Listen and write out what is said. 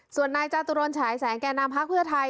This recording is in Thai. ส่วนนายจตุรนฉายแสงแก่นำพักเพื่อไทย